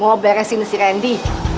mau beresin si randy